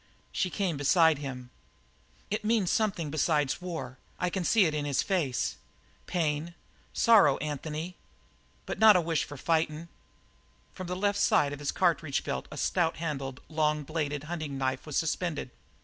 She came beside him. "It means something besides war. I can see it in his face. Pain sorrow, Anthony, but not a wish for fightin'." From the left side of his cartridge belt a stout handled, long bladed hunting knife was suspended.